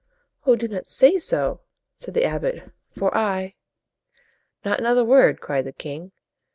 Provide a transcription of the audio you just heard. "Oh, do not say so!" said the abbot "For I" "Not another word!" cried the king.